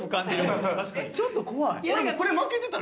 ちょっと怖い。